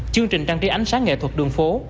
chương trình trang trí ánh sáng nghệ thuật đường phố